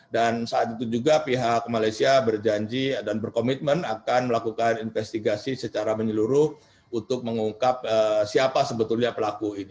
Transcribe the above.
dan saat itu juga pihak malaysia berjanji dan berkomitmen akan melakukan investigasi secara menyeluruh untuk mengungkap siapa sebetulnya pelaku ini